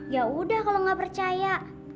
yaudah kalau gak percaya